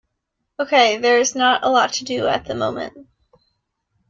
Okay, there is not a lot to do at the moment.